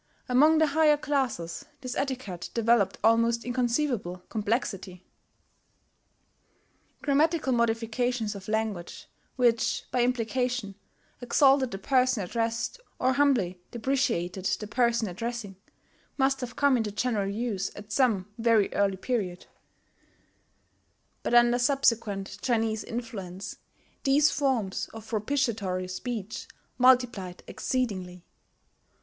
Among the higher classes this etiquette developed almost inconceivable complexity. Grammatical modifications of language, which, by implication, exalted the person addressed or humbly depreciated the person addressing, must have come into general use at some very early period; but under subsequent Chinese influence these forms of propitiatory speech multiplied exceedingly.